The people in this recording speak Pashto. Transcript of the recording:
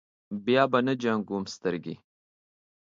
بیا به نه جنګوم سترګې.